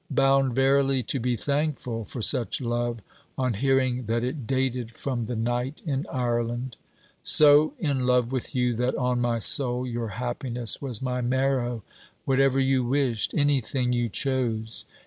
Bound verily to be thankful for such love, on hearing that it dated from the night in Ireland.... 'So in love with you that, on my soul, your happiness was my marrow whatever you wished; anything you chose.